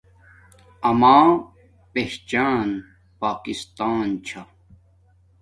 اما پہچان پاکستان چھا